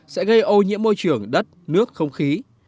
sẽ gây ô nhiễm môi trường đất nước không khí